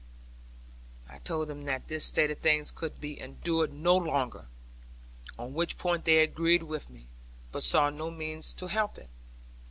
I told them that this state of things could be endured no longer, on which point they agreed with me, but saw no means to help it.